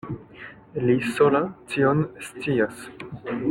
Li sola tion scias.